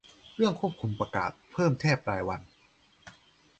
เรื่องควบคุมประกาศเพิ่มแทบรายวัน